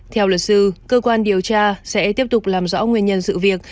theo luật sư cơ quan điều tra sẽ tiếp tục làm rõ nguyên nhân sự việc